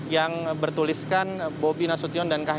yang bertuliskan bobi nasution dan kah